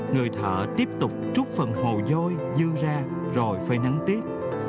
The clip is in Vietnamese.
người thợ tiếp tục trút phần hồ dôi dư ra rồi phơi nắng tiết